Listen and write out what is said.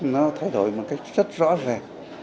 nó thay đổi một cách rất rõ ràng